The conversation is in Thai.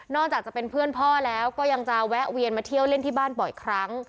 จากจะเป็นเพื่อนพ่อแล้วก็ยังจะแวะเวียนมาเที่ยวเล่นที่บ้านบ่อยครั้ง